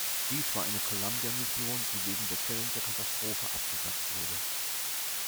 Dies war eine Columbia-Mission, die wegen der Challenger-Katastrophe abgesagt wurde.